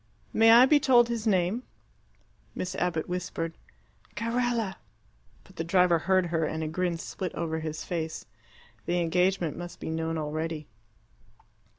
"May I be told his name?" Miss Abbott whispered, "Carella." But the driver heard her, and a grin split over his face. The engagement must be known already.